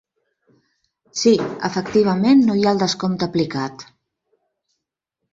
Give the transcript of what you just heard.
Sí, efectivament no hi ha el descompte aplicat.